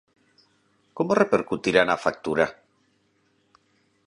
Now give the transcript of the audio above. Como repercutirá na factura?